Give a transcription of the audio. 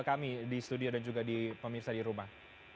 kami di studio dan juga di pemirsa di rumah